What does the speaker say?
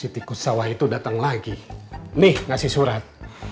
si tikus sawah itu datang lagi nih ngasih surat